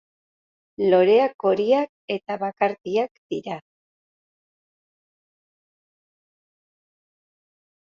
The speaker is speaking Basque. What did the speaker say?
Loreak horiak eta bakartiak dira.